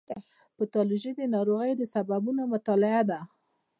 پیتالوژي د ناروغیو د سببونو مطالعه ده.